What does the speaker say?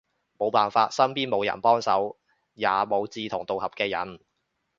無辦法，身邊無人幫手，也無志同道合嘅人